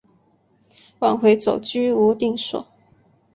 往回走居无定所